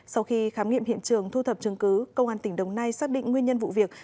sau khi khám nghiệm hiện trường thu thập chứng cứ công an tỉnh đồng nai xác định nguyên nhân vụ việc